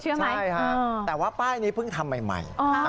ใช่ค่ะแต่ว่าป้ายนี้เพิ่งทำใหม่